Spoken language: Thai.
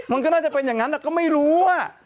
มันก็น่าจะเป็นอย่างนั้นก็ไม่รู้